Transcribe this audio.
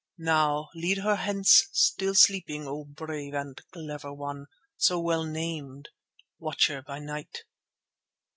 Now lead her hence still sleeping, O brave and clever one, so well named Watcher by Night."